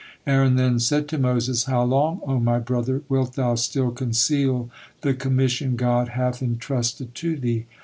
Aaron then said to Moses: "How long, O my brother, wilt thou still conceal the commission God hath entrusted to thee?